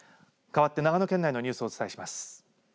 かわって長野県内のニュースをお伝えします。